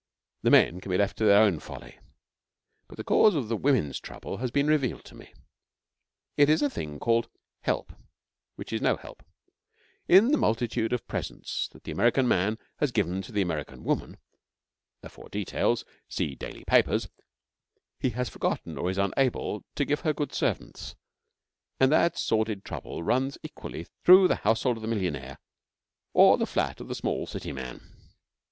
Now, the men can be left to their own folly, but the cause of the women's trouble has been revealed to me. It is the thing called 'Help' which is no help. In the multitude of presents that the American man has given to the American woman (for details see daily papers) he has forgotten or is unable to give her good servants, and that sordid trouble runs equally through the household of the millionaire or the flat of the small city man.